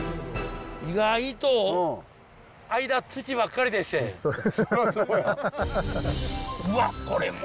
意外と間土ばっかりでっせ。